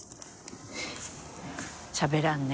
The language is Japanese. しゃべらんね。